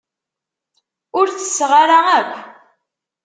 Ur tesseɣ ara akk.